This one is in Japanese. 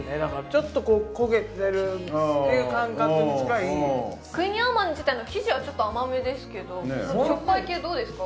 ちょっとこう焦げてるっていう感覚に近いクイニーアマン自体の生地はちょっと甘めですけどしょっぱい系どうですか？